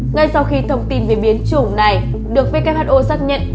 ngay sau khi thông tin về biến chủng này được who xác nhận